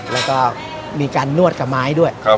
แล้วก็มีการนวดกับไม้ด้วย